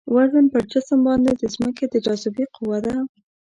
وزن پر جسم باندې د ځمکې د جاذبې قوه ده.